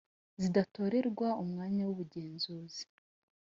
zidatorerwa umwanya w’ubugenzuzi